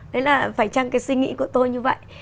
đấy là phải trăng cái suy nghĩ của tôi